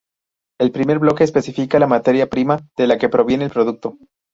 El primer bloque especifica la materia prima de la que proviene el producto.